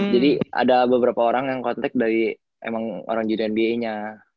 jadi ada beberapa orang yang kontak dari emang orang jnba nya